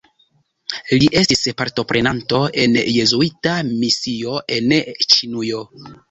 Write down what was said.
Li estis partoprenanto en Jezuita misio en Ĉinujo.